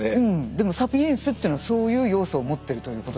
でもサピエンスっていうのはそういう要素を持ってるということだと思うから。